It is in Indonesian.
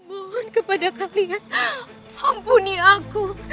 mohon kepada kalian ampuni aku